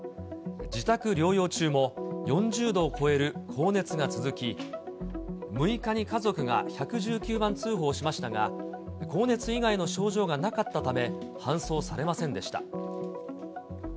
自宅療養中も４０度を超える高熱が続き、６日に家族が１１９番通報しましたが、高熱以外の症状がなかったため、搬送されませんでした。